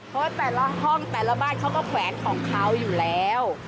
เพราะแต่ละห้องแต่ละบ้านเขาก็แขวนของเขาอยู่แล้ว